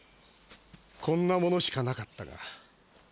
こんなものしかなかったが。